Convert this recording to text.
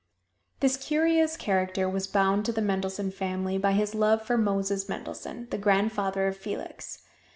This curious character was bound to the Mendelssohn family by his love for Moses Mendelssohn, the grandfather of Felix.